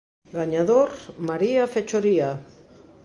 Gañador: Maria Fechoría.